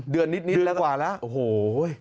เดือนนิดแล้วกว่าละโอ้โห้ย